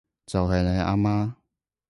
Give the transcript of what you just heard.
就係你阿媽